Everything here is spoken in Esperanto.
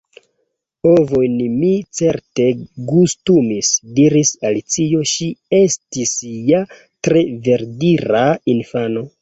"Ovojn mi certe gustumis," diris Alicio, ŝi estis ja tre verdira infano.